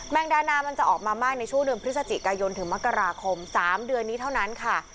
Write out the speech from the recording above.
งดานามันจะออกมามากในช่วงเดือนพฤศจิกายนถึงมกราคม๓เดือนนี้เท่านั้นค่ะ